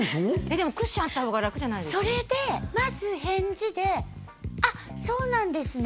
でもクッションあった方が楽じゃそれでまず返事であそうなんですね